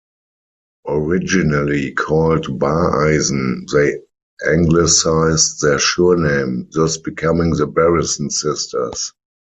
Originally called Bareisen, they anglicized their surname, thus becoming the Barrison Sisters.